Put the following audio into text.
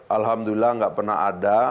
alhamdulillah tidak pernah ada